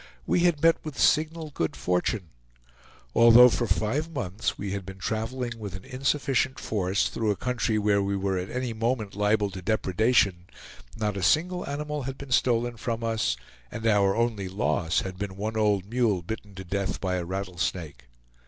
We had met with signal good fortune. Although for five months we had been traveling with an insufficient force through a country where we were at any moment liable to depredation, not a single animal had been stolen from us, and our only loss had been one old mule bitten to death by a rattlesnake.